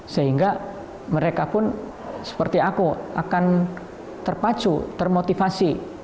sehingga mereka pun seperti aku akan terpacu termotivasi